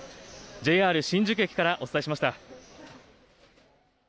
ＪＲ新宿駅からお伝えしました。